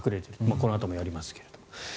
このあともやりますけども。